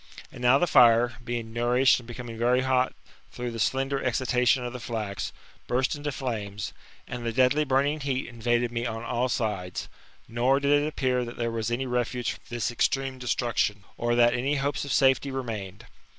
And now the fire, being nourished and becoming very hot through the slender excitation of the flax, burst into flames, and the deadly burning heat in vaded me on ail sides ; nor did it appear that there was any refuge from this extreme destruction, or that any hopes of safety remained.